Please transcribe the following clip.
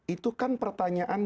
itu kan pertanyaan yang